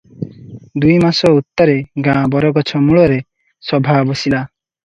ଦୁଇମାସ ଉତ୍ତାରେ ଗାଁ ବରଗଛ ମୂଳରେ ସଭା ବସିଲା ।